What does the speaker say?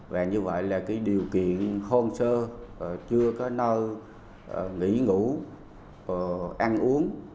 và như vậy là cái điều kiện hôn sơ chưa có nơi nghỉ ngủ ăn uống